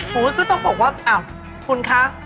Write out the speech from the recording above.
ก็ต้องบอกว่าอ้าวคุณคะ